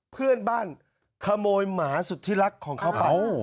เพื่อนบ้านขโมยหมาสุดที่รักของเขาไป